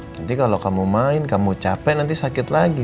nanti kalau kamu main kamu capek nanti sakit lagi